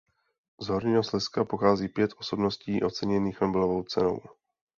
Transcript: Z Horního Slezska pochází pět osobností oceněných Nobelovou cenou.